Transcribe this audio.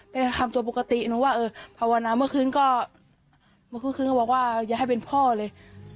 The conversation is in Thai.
เป็นคำตัวปกติหนูว่าเออภาวนาเมื่อคืนก็เมื่อคืนคืนก็บอกว่าอย่าให้เป็นพ่อเลย